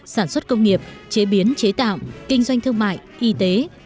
sản xuất công nghiệp chế biến chế tạo kinh doanh thương mại y tế